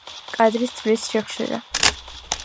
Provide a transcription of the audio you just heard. კადრის ცვლის სიხშირე